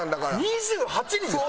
２８人ですか？